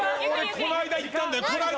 この間行ったんだよ。